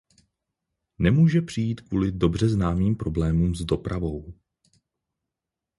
Nemůže přijít kvůli dobře známým problémům s dopravou.